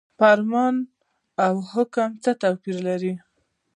فرمان او حکم څه توپیر لري؟